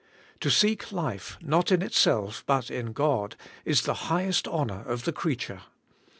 To seek life, not in itself, but in God, is the highest honour of the creature.